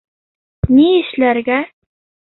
Ни эшләргә?